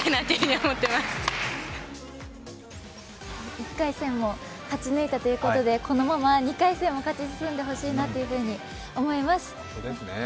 １回戦も勝ち抜いたということでこのまま２回戦も勝ち進んでほしいなと思います。